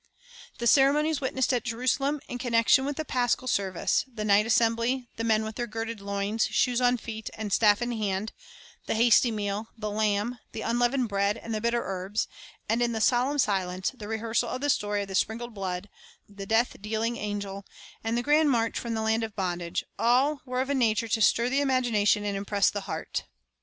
The ceremonies witnessed at Jerusalem in connec tion with the paschal service, — the night assembly, the men with their girded loins, shoes on feet, and staff in hand, the hasty meal, the lamb, the unleavened bread, and the bitter herbs, and in the solemn silence the rehearsal of the story of the sprinkled blood, the death dealing angel, and the grand march from the land of bondage, — all were of a nature to stir the imagination and impress the heart.